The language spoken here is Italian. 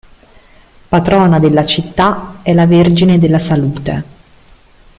Patrona della città è la Vergine della Salute.